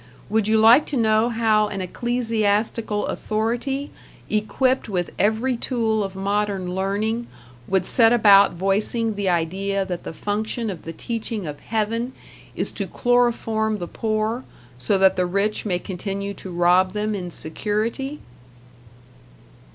Would you like to know how an ecclesiastical authority, equipped with every tool of modern learning, would set about voicing the idea that the function of the teaching of Heaven is to chloroform the poor, so that the rich may continue to rob them in security?